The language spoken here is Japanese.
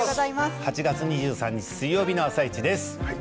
８月２３日水曜日の「あさイチ」です。